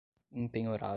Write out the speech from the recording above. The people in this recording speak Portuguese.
impenhorável